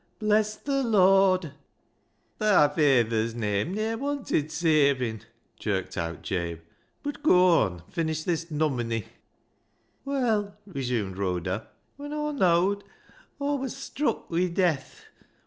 Bless th' Lord !"" Thi fayther's name ne'er wanted savin'," jerked out Jabe ;" bud goa on an' finish this nominny." " Well," resumed Rhoda, " when Aw know'd Aw wur struck wi' death.